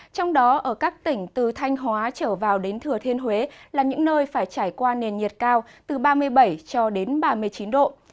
trong đó ở các tỉnh từ thanh hóa trở vào đến thừa thiên huế là những nơi phải trải qua nền nhiệt cao từ ba mươi bảy cho đến ba mươi chín độ